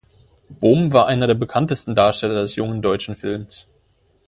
Bohm war einer der bekanntesten Darsteller des Jungen Deutschen Films.